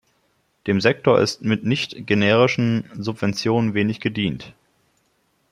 Dem Sektor ist mit nicht generischen Subventionen wenig gedient.